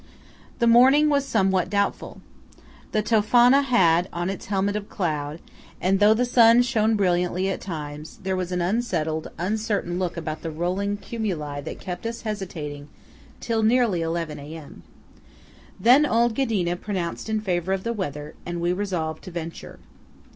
5 The morning was somewhat doubtful. The Tofana had on its helmet of cloud, and though the sun shone brilliantly at times, there was an unsettled, uncertain look about the rolling cumuli that kept us hesitating till nearly eleven A.M. Then old Ghedina pronounced in favour of the weather, and we resolved to venture.